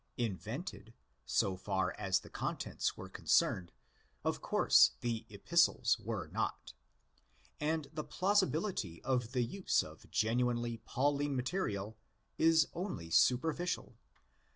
Invented so far as the contents were concerned, of course the Epistles were not; and the plausibility of the use of genuinely Pauline material is only superficial.